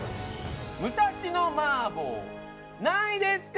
武蔵野麻婆何位ですか？